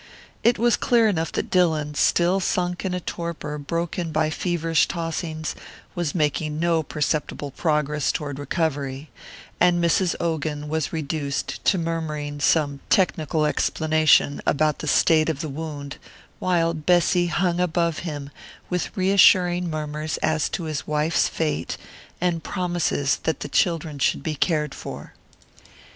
It was clear enough that Dillon, still sunk in a torpor broken by feverish tossings, was making no perceptible progress toward recovery; and Mrs. Ogan was reduced to murmuring some technical explanation about the state of the wound while Bessy hung above him with reassuring murmurs as to his wife's fate, and promises that the children should be cared for.